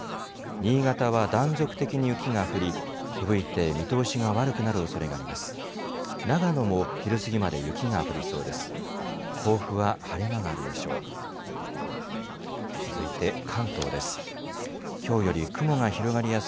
新潟は断続的に雪が降り、ふぶいて見通しが悪くなるおそれがあります。